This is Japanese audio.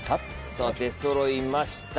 さぁ出そろいました。